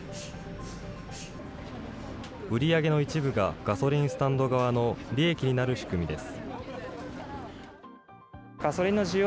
売り上げの一部が、ガソリンスタンド側の利益になる仕組みです。